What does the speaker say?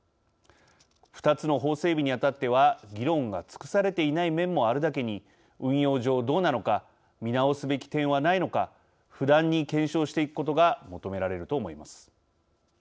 ２つの法整備にあたっては議論が尽くされていない面もあるだけに運用上どうなのか見直すべき点はないのか不断に検証していくことが求められると思います。